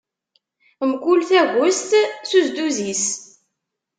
Mkul tagwest s uzduz is.